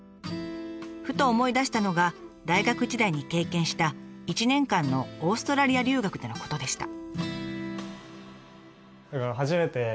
ふと思い出したのが大学時代に経験した１年間のオーストラリア留学でのことでした。